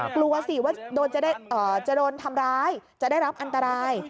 กลัวสิว่าจะโดนทำร้ายจะได้รับอันตราย